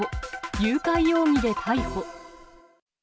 誘拐容疑で逮捕。